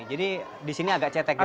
jadi di sini agak cetek gitu ya